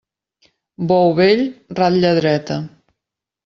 Bou vell, ratlla dreta.